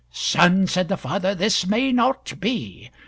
"Son," said the father, "this may not be.